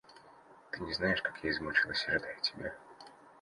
Ты не знаешь, как я измучалась, ожидая тебя!